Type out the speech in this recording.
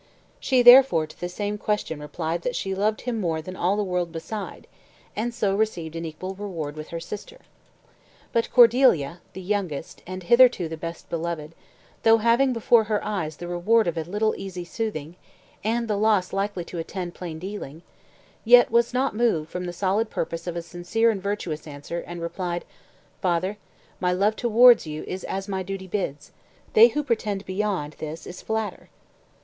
She therefore to the same question replied that "she loved him more than all the world beside;" and so received an equal reward with her sister. But Cordelia, the youngest, and hitherto the best beloved, though having before her eyes the reward of a little easy soothing, and the loss likely to attend plain dealing, yet was not moved from the solid purpose of a sincere and virtuous answer, and replied: "Father, my love towards you is as my duty bids. They who pretend beyond this flatter."